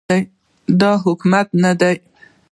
دا حکومت نه دی